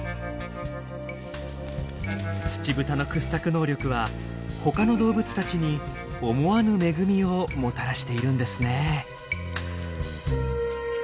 ツチブタの掘削能力はほかの動物たちに思わぬ恵みをもたらしているんですね。